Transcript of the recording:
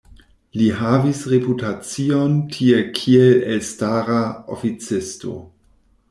Li havis reputacion tie kiel elstara oficisto.